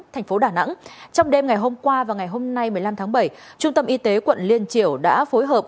thành phố đà nẵng trong đêm ngày hôm qua và ngày hôm nay một mươi năm tháng bảy trung tâm y tế quận liên triều đã phối hợp